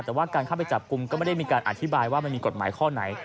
แต่ว่าการเข้าไปจับกลุ่มก็ไม่ได้มีการอธิบายว่ามันมีกฎหมายข้อไหน